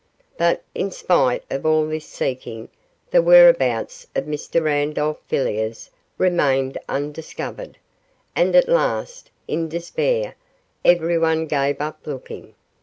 But in spite of all this seeking, the whereabouts of Mr Randolph Villiers remained undiscovered, and at last, in despair, everyone gave up looking.